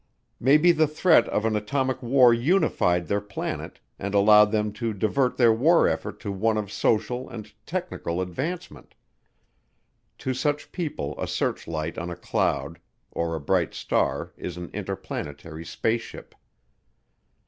Maybe the threat of an atomic war unified their planet and allowed them to divert their war effort to one of social and technical advancement. To such people a searchlight on a cloud or a bright star is an interplanetary spaceship.